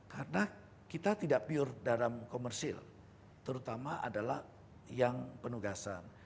karena kita tidak pure dalam komersil terutama adalah yang penugasan